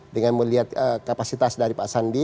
dengan melihat kapasitas dari pak sandi